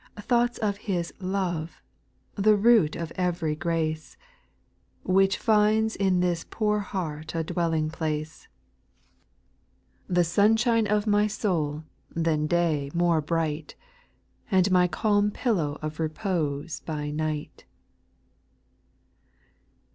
3. Thoughts of His love, — the root of every grace, Which finds in this poor heart a dwelling place ; 112 SPIRITUAL SONGS. The sunshine of my soul, than day more bright, And my calm pillow of repose by night.